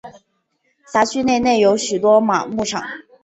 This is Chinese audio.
辖区内内有许多马牧场。